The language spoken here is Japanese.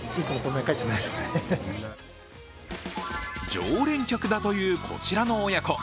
常連客だという、こちらの親子。